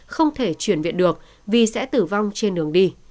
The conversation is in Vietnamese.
không thể chuyển viện được vì sẽ tử vong trên đường đi